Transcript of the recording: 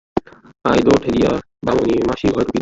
আয়-দোর ঠেলিয়া বামনী মাসি ঘরে চুকিল।